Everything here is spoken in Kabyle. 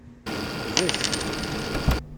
Becc.